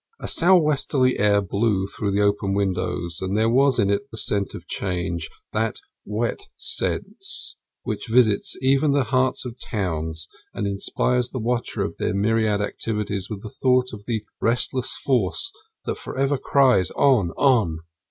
A sou' westerly air blew through the open windows, and there was in it the scent of change, that wet scent which visits even the hearts of towns and inspires the watcher of their myriad activities with thought of the restless Force that forever cries: "On, on!"